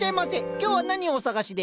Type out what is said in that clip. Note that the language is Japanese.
今日は何をお探しで？